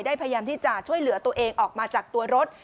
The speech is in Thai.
พยายามที่จะช่วยเหลือตัวเองออกมาจากตัวรถ